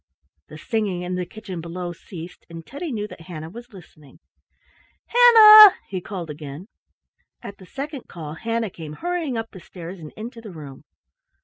The singing in the kitchen below ceased, and Teddy knew that Hannah was listening. "Hannah!" he called again. At the second call Hannah came hurrying up the stairs and into the room.